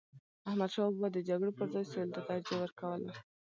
احمدشاه بابا د جګړو پر ځای سولي ته ترجیح ورکوله.